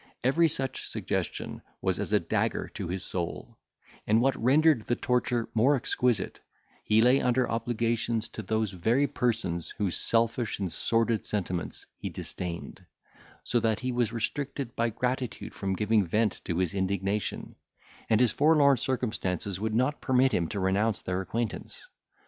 Every such suggestion was as a dagger to his soul; and what rendered the torture more exquisite, he lay under obligations to those very persons whose selfish and sordid sentiments he disdained; so that he was restricted by gratitude from giving vent to his indignation, and his forlorn circumstances would not permit him to renounce their acquaintance.